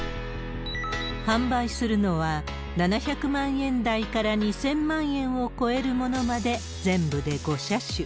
販売するのは、７００万円台から２０００万円を超えるものまで、全部で５車種。